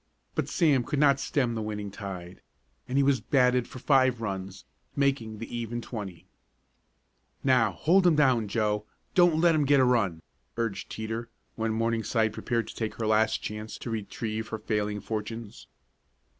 But Sam could not stem the winning tide, and he was batted for five runs, making the even twenty. "Now, hold 'em down, Joe don't let 'em get a run!" urged Teeter, when Morningside prepared to take her last chance to retrieve her falling fortunes.